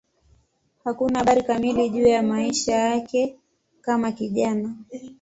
Hakuna habari kamili juu ya maisha yake kama kijana.